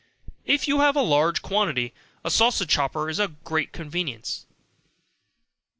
If you have a large quantity, a sausage chopper is a great convenience.